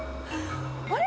あれ？